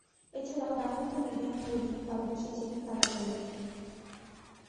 এছাড়াও, ডানহাতে মিডিয়াম বোলিংয়ে পারদর্শী ছিলেন তালাত আলী।